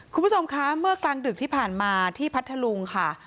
คุณผู้ชมคะเมื่อกลางดึกที่ผ่านมาที่พัทธลุงค่ะ